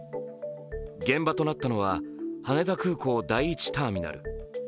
現場となったのは羽田空港第１ターミナル。